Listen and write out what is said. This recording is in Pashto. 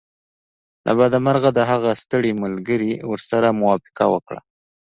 له بده مرغه د هغه ستړي ملګري ورسره موافقه وکړه